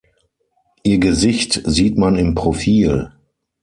Ihr Gesicht sieht man im Profil.